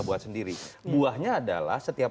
buat sendiri buahnya adalah setiap